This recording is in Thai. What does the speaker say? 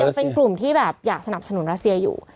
เป็นกลุ่มที่แบบอยากสนับสนุนรัสเซียอยู่